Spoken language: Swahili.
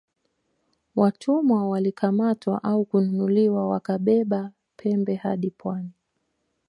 Watumwa walikamatwa au kununuliwa wakabeba pembe hadi pwani